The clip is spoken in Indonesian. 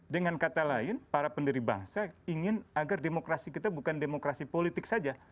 dengan kata lain para pendiri bangsa ingin agar demokrasi kita bukan demokrasi politik saja